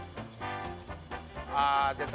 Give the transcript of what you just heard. あぁ出た。